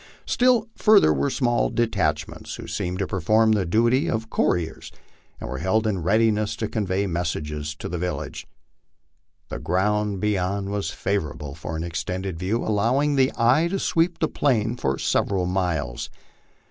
Still further were small detachments who seemed to perform the duty of couriers, and were held in readiness to convey messages to the village. The ground beyond was favorable for an extended view, allowing the eye to sweep the plain for several miles.